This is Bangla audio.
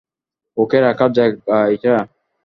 ওকে রাখার জায়গা এটা?